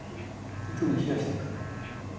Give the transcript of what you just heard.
で特に冷やしておくと。